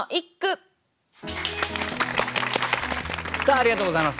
ありがとうございます。